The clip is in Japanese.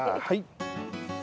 はい。